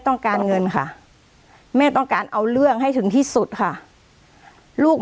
ต้องการเงินค่ะแม่ต้องการเอาเรื่องให้ถึงที่สุดค่ะลูก